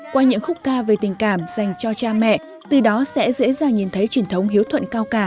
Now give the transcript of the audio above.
qua những khúc ca về tình cảm dành cho cha mẹ từ đó sẽ dễ dàng nhìn thấy truyền thống hiếu thuận cao cả